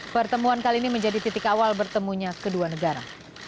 pertemuan kali ini menjadi titik awal bertemunya kedua negara